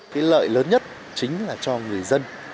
cái lợi lớn nhất chính là cho người dân